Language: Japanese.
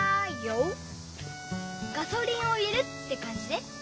ガソリンを入れるってかんじね。